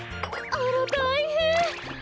あらたいへん！